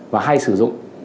và hay sử dụng